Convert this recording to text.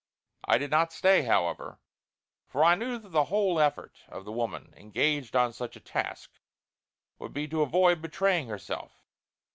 I did not stay, however, for I knew that the whole effort of the woman, engaged on such a task, would be to avoid betraying herself.